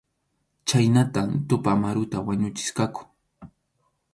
Chhaynatam Tupa Amaruta wañuchisqaku.